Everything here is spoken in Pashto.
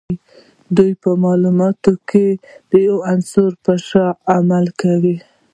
دوی په تعاملونو کې د یوه عنصر په شان عمل کوي.